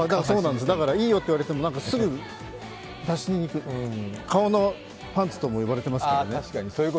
だから、いいよと言われても出しにくい、顔のパンツとも呼ばれてますからね。